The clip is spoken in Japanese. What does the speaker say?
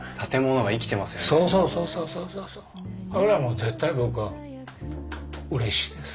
それはもう絶対僕はうれしいです。